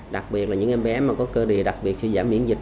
đặc biệt là những em bé có cơ địa đặc biệt sư giả miễn dịch